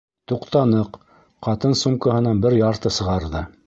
Туҡтаныҡ, ҡатын сумкаһынан бер ярты сығарҙы.